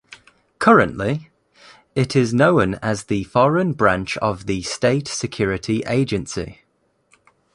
Currently, it is known as the Foreign Branch of the State Security Agency.